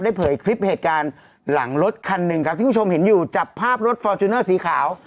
เผยคลิปเหตุการณ์หลังรถคันหนึ่งครับที่คุณผู้ชมเห็นอยู่จับภาพรถฟอร์จูเนอร์สีขาว